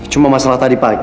cuma masalah tadi pagi